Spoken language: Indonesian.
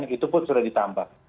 itu pun sudah ditambah